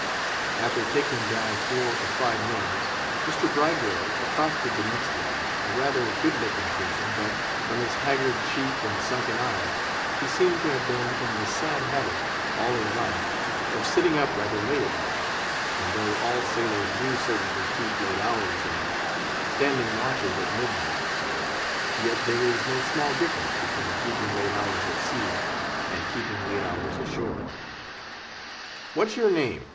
After taking down four or five names, Mr. Bridewell accosted the next man, a rather good looking person, but, from his haggard cheek and sunken eye, he seemed to have been in the sad habit, all his life, of sitting up rather late at night; and though all sailors do certainly keep late hours enough—standing watches at midnight—yet there is no small difference between keeping late hours at sea and keeping late hours ashore. "What's your name?"